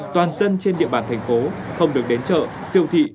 toàn dân trên địa bàn thành phố không được đến chợ siêu thị